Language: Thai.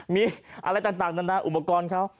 มีอะไรต่างนานาอุปกรณ์เขา